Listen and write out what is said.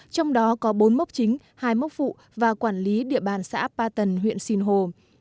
trong đó có bốn mốc chính hai mốc phụ và quản lý địa bàn xã ba tần huyện sìn hồ